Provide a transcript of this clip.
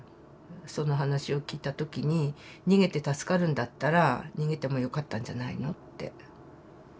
その話を聞いた時に逃げて助かるんだったら逃げてもよかったんじゃないのって。